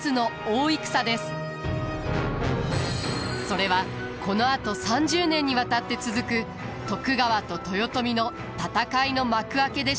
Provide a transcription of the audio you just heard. それはこのあと３０年にわたって続く徳川と豊臣の戦いの幕開けでした。